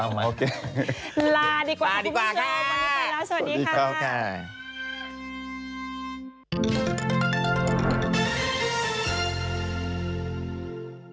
เอาไหมโอเคสวัสดีครับคุณผู้ชมวันนี้ไปแล้วสวัสดีครับค่ะสวัสดีครับค่ะ